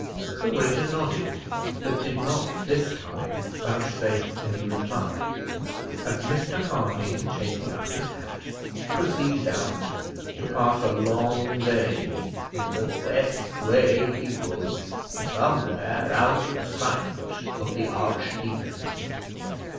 The waiter nodded, but did not this time vouchsafe any reply; and Mr Harding, taking up his hat, proceeded out to pass a long day in the best way he could, somewhere out of sight of the archdeacon.